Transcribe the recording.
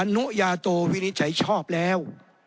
นุญาโตวินิจฉัยชอบแล้ว